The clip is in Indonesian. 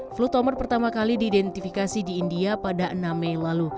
flutomer pertama kali didentifikasi di india pada enam mei lalu